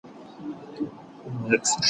کېدای سي قلم خراب وي!.